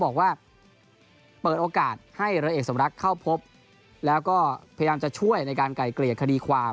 เข้าพบแล้วก็พยายามจะช่วยในการไกลเกลียดคดีความ